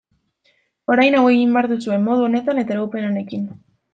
Orain hau egin behar duzue, modu honetan eta iraupen honekin.